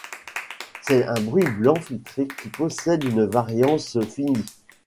C'est un bruit blanc filtré qui possède une variance finie.